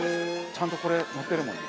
ちゃんとこれのってるもん。